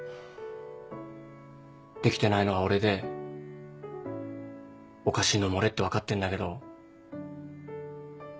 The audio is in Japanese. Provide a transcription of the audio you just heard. できてないのは俺でおかしいのも俺って分かってんだけど。